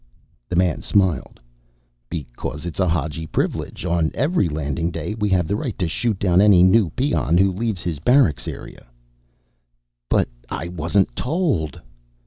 The man smiled. "Because it's a Hadji privilege. On every Landing Day, we have the right to shoot down any new peon who leaves his barracks area." "But I wasn't told!"